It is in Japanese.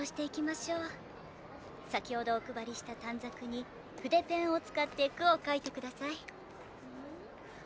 先ほどお配りした短冊に筆ペンを使って句を書いて下さい。